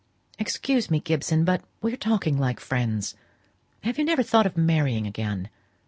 Excuse me, Gibson, but we're talking like friends. Have you never thought of marrying again?